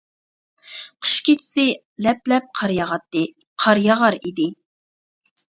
قىش كېچىسى لەپ-لەپ قار ياغاتتى، قار ياغار ئىدى.